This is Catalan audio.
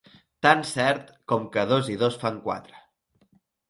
Tan cert com que dos i dos fan quatre.